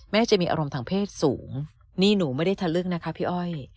จะมีอารมณ์ทางเพศสูงนี่หนูไม่ได้ทะลึกนะคะพี่อ้อย